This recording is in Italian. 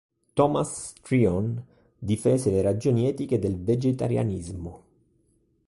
Thomas Tryon difese le ragioni etiche del vegetarianismo.